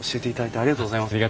ありがとうございます。